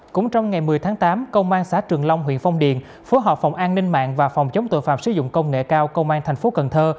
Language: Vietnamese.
cũng trong ngày một mươi tháng tám công an xã trường long huyện phong điền phối hợp phòng an ninh mạng và phòng chống tội phạm sử dụng công nghệ cao công an thành phố cần thơ